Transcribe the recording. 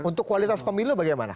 untuk kualitas pemilu bagaimana